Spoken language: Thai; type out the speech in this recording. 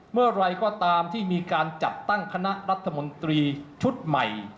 เมื่อไหร่ก็ตามที่มีการจัดตั้งคณะรัฐมนตรีชุดใหม่